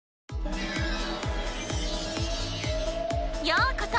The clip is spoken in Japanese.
ようこそ！